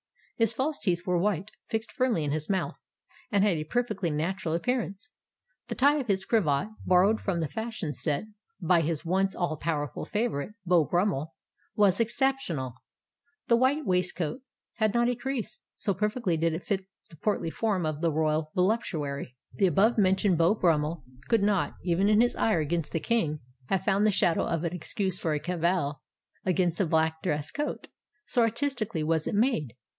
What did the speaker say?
His false teeth were white, fixed firmly in his mouth, and had a perfectly natural appearance. The tie of his cravat—borrowed from the fashion set by his once all powerful favourite, Beau Brummell—was unexceptionable. The white waistcoat had not a crease, so perfectly did it fit the portly form of the royal voluptuary. The above mentioned Beau Brummell could not, even in his ire against the King, have found the shadow of an excuse for a cavil against the black dress coat, so artistically was it made.